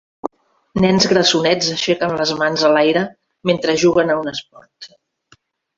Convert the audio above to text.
Nens grassonets aixequen les mans a l'aire mentre juguen a un esport.